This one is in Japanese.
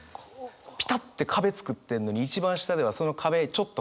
ピタって壁作ってんのに一番下ではその壁ちょっと壊れかけてますよね。